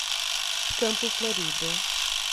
Campo Florido